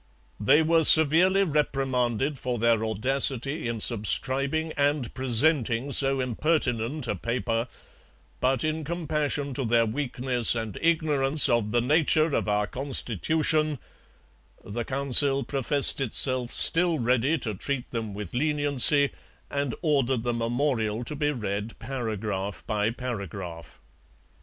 'They were severely reprimanded for their audacity in subscribing and presenting so impertinent a paper, but in compassion to their weakness and ignorance of the nature of our constitution,' the Council professed itself still ready to treat them with leniency, and ordered the memorial to be read paragraph by paragraph.